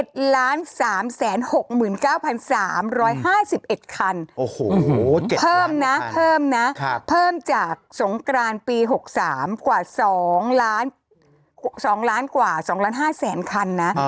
โอ้โห๗ล้านคันเพิ่มนะเพิ่มนะเพิ่มจากสงกราณปี๖๓กว่า๒๕๐๐๐๐๐คันนะ